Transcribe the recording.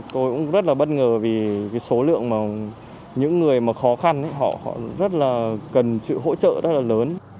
tôi cũng rất là bất ngờ vì cái số lượng mà những người mà khó khăn họ rất là cần sự hỗ trợ rất là lớn